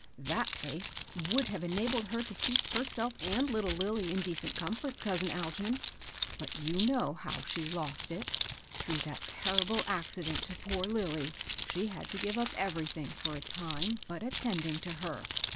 ^^ That place would have enabled her to keep herself and little Lilly in deceit comforts, cousiii Algin ; but you know how she lost it. Throng]^ that terrible accident to poor Lilly, she had to give up everything, for a time, but attending to her.